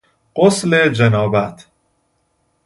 غسل جنابت